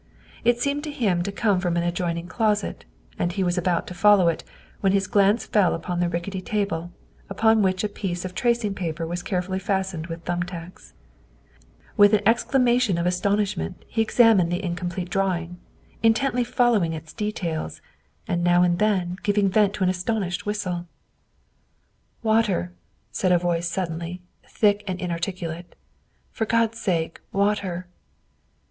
It seemed to him to come from an adjoining closet, and he was about to follow it when his glance fell upon the rickety table, upon which a piece of tracing paper was carefully fastened with thumb tacks. With an exclamation of astonishment he examined the incomplete drawing, in tently following its details and now and then giving vent to an astonished whistle. THE SECRETARY OF STATE 213 " Water!" said a voice suddenly, thick and inar ticulate; " for God's sake, water!"